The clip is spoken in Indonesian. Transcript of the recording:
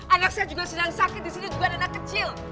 anak saya juga sedang sakit disini juga ada anak kecil